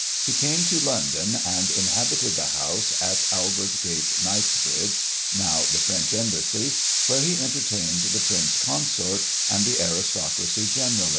He came to London, and inhabited the house at Albert Gate, Knightsbridge (now the French Embassy), where he entertained the Prince Consort, and the aristocracy generally.